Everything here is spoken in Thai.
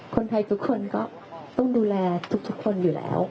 คนไทยทุกคนก็ต้องดูแลทุกคนอยู่แล้ว